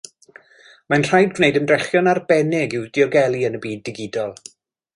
Mae'n rhaid gwneud ymdrechion arbennig i'w diogelu yn y byd digidol.